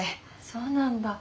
そうなんだ。